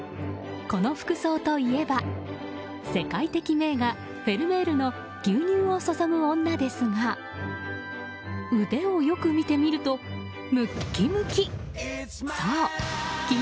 この服装といえば世界的名画、フェルメールの「牛乳を注ぐ女」ですが腕をよく見てみると、ムッキムキ。